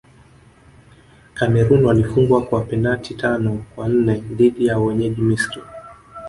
cameroon walifungwa kwa penati tano kwa nne dhidi ya wenyeji misri